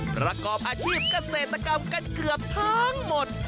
ประกอบอาชีพเกษตรกรรมกันเกือบทั้งหมด